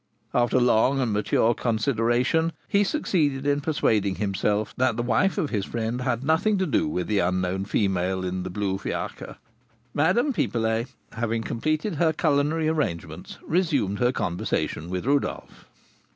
After long and mature consideration, he succeeded in persuading himself that the wife of his friend had nothing to do with the unknown female in the blue fiacre. Madame Pipelet, having completed her culinary arrangements, resumed her conversation with Rodolph.